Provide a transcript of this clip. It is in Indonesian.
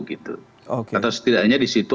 atau setidaknya disitu